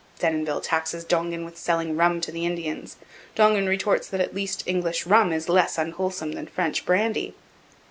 Denonville taxes Dongan with selling rum to the Indians. Dongan retorts that at least English rum is less unwholesome than French brandy.